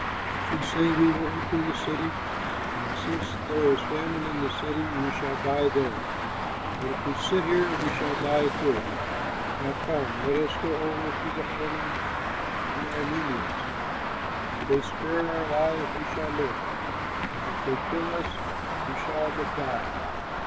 If we say, 'We will enter the city,' then, since there is famine in the city, we shall die there; but if we sit here, we shall die too. Now, come, let us go over to the army of the Arameans. If they spare our lives, we shall live; and if they kill us, we shall but die."